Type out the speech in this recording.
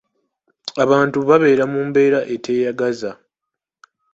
Abantu babeera mu mbeera eteeyagaza.